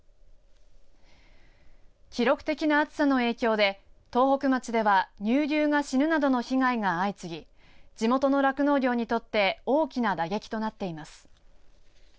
記録的な暑さの影響で東北町では乳牛が死ぬなどの被害が相次ぎ地元の酪農業にとって大きな打撃となっています。